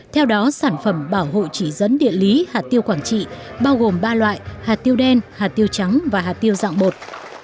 theo đó sản phẩm bảo hộ chỉ dẫn địa lý hạt tiêu quảng trị bao gồm ba loại hạt tiêu đen hạt tiêu trắng và hạt tiêu dạng bột